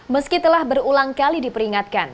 meski telah berulang kali diperingatkan